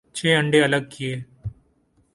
چھ انڈے الگ کئے ۔